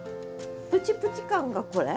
プチプチ感がこれ？